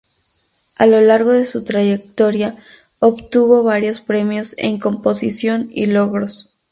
A lo largo de su trayectoria obtuvo varios premios en composición y logros.